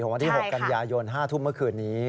วันที่๖กันยายน๕ทุ่มเมื่อคืนนี้